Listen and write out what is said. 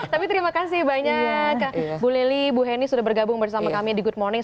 tapi terima kasih banyak bu lili bu heni sudah bergabung bersama kami di good morning